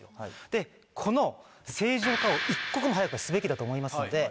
でこの正常化を一刻も早くすべきだと思いますので。